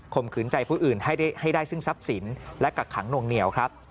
ขืนใจผู้อื่นให้ได้ซึ่งทรัพย์สินและกักขังนวงเหนียวครับ